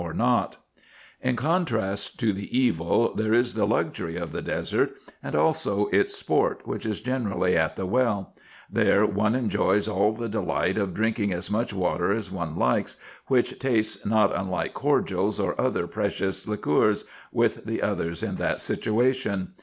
344 RESEARCHES AND OPERATIONS In contrast to the evil, there is the luxury of the desert, and also its sport, which is generally at the well ; there one enjoys all the delight of drinking as much water as one likes, which tastes not unlike cordials or other precious liquors, with the others in that situation.